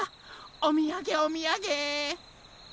おみやげおみやげ！